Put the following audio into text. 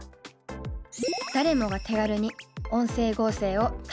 誰もが手軽に音声合成を楽しめる時代に。